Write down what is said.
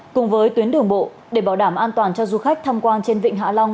cùng với tuyến đường bộ để bảo đảm an toàn cho du khách tham quan trên vịnh hạ long